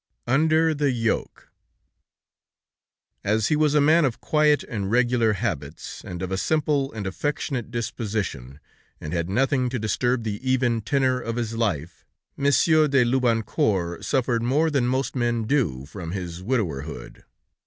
UNDER THE YOKE As he was a man of quiet and regular habits, and of a simple and affectionate disposition, and had nothing to disturb the even tenor of his life, Monsieur de Loubancourt suffered more than most men do from his widowerhood.